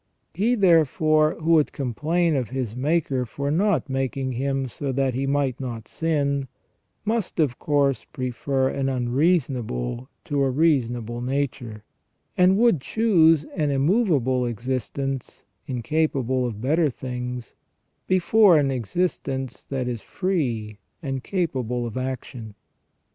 He, therefore, who would complain of his Maker for not making him so that he might not sin, must of course prefer an unreasonable to a reasonable nature, and would choose an immovable existence, incapable of better things, before an existence that is free and capable of action."